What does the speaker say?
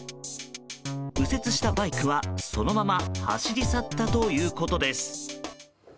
右折したバイクはそのまま走り去ったということです。